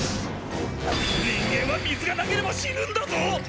人間は水がなければ死ぬんだぞ！